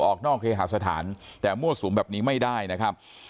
ออกนอกเคหาสถานแต่มั่วสุมแบบนี้ไม่ได้นะครับ